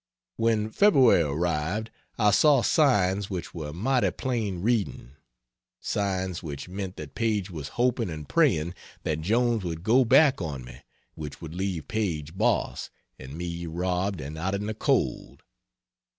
When February arrived, I saw signs which were mighty plain reading. Signs which meant that Paige was hoping and praying that Jones would go back on me which would leave Paige boss, and me robbed and out in the cold.